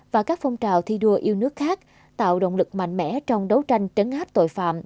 và các phong trào thi đua yêu nước khác tạo động lực mạnh mẽ trong đấu tranh trấn áp tội phạm